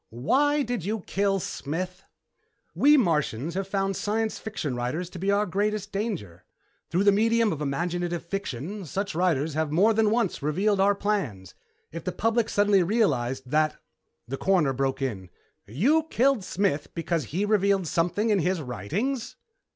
"Why did you kill Smith?" "We Martians have found science fiction writers to be our greatest danger. Through the medium of imaginative fiction, such writers have more than once revealed our plans. If the public suddenly realized that "The Coroner broke in. "You killed Smith because he revealed something in his writings?"